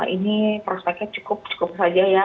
ini prospeknya cukup cukup saja ya